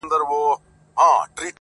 • ته چیري تللی یې اشنا او زندګي چیري ده.